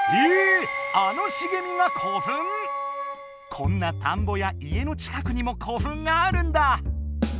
こんな田んぼや家の近くにも古墳があるんだ！